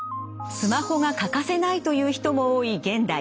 スマホが欠かせないという人も多い現代。